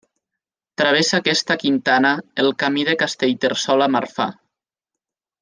Travessa aquesta quintana el Camí de Castellterçol a Marfà.